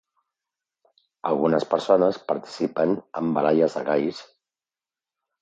Algunes persones participen en baralles de galls.